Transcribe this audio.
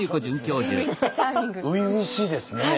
初々しいですね！